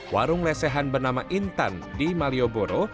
warung lesehan bernama intan di malioboro